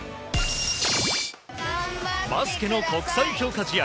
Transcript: バスケの国際強化試合。